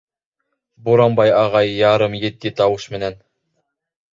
Буранбай ағай ярым етди тауыш менән: